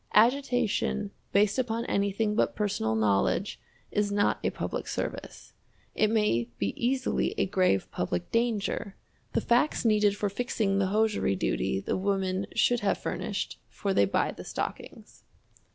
Agitation based upon anything but personal knowlledge is not a public service. It may be easily a grave public danger. The facts needed for fixing the hosiery duty the women should have furnished, for they buy the stockings.